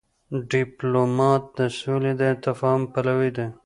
ډيپلومات د سولي او تفاهم پلوی دی.